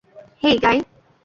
হেই, গাই!